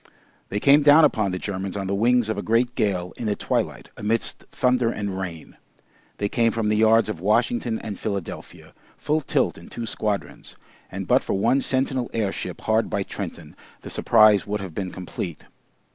They came down upon the Germans on the wings of a great gale in the twilight, amidst thunder and rain. They came from the yards of Washington and Philadelphia, full tilt in two squadrons, and but for one sentinel airship hard by Trenton, the surprise would have been complete.